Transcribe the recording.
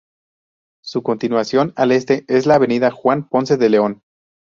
Su continuación al este es la avenida Juan Ponce de León.